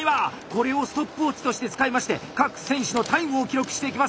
これをストップウォッチとして使いまして各選手のタイムを記録していきます。